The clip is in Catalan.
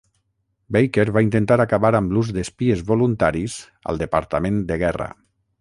Baker va intentar acabar amb l'ús d'espies voluntaris al departament de guerra.